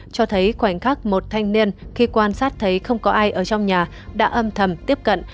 cho thấy khoảnh khắc một thanh niên khi quan sát thấy không có ai ở trong nhà đã âm thầm tiếp cận